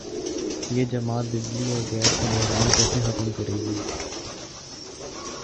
یہ جماعت بجلی اور گیس کا بحران کیسے ختم کرے گی؟